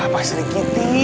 pak sri giti